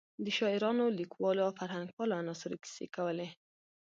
د شاعرانو، لیکوالو او فرهنګپالو عناصرو کیسې کولې.